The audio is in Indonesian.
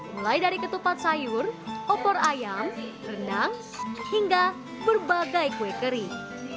mulai dari ketupat sayur opor ayam rendang hingga berbagai kue kering